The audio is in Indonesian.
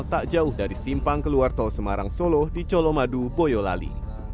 tak jauh dari simpang keluar tol semarang solo di colomadu boyolali